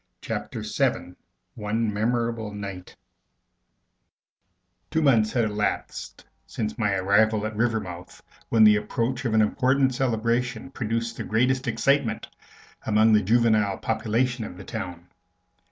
Chapter Seven One Memorable Night Two months had elapsed since my arrival at Rivermouth, when the approach of an important celebration produced the greatest excitement among the juvenile population of the town.